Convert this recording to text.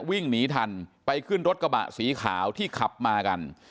วิ่งหนีทันไปขึ้นรถกระบะสีขาวที่ขับมากัน